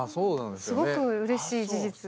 すごくうれしい事実。